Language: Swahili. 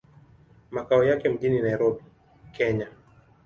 Makao yake mjini Nairobi, Kenya.